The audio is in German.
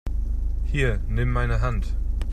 Hier, nimm meine Hand!